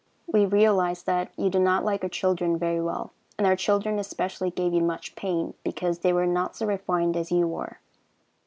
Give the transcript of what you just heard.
We realize that you do not like children very well, and our children especially gave you much pain, because they were not so refined as you were.